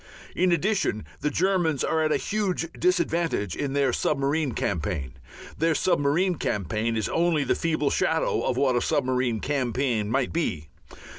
In addition the Germans are at a huge disadvantage in their submarine campaign. Their submarine campaign is only the feeble shadow of what a submarine campaign might be.